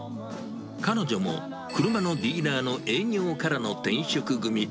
彼女も車のディーラーの営業からの転職組。